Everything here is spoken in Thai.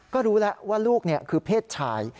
ก็รู้แล้วว่าลูกคือเพศชาย